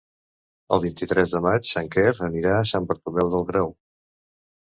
El vint-i-tres de maig en Quer anirà a Sant Bartomeu del Grau.